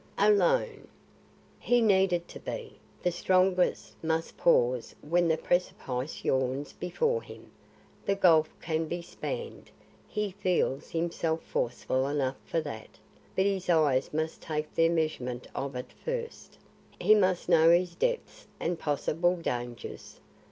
Alone! He needed to be. The strongest must pause when the precipice yawns before him. The gulf can be spanned; he feels himself forceful enough for that; but his eyes must take their measurement of it first; he must know its depths and possible dangers.